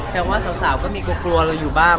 แต่ว่าสาวก็มีกลัวเราอยู่บ้าง